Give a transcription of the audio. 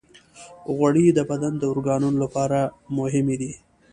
غوړې د بدن د اورګانونو لپاره مهمې دي.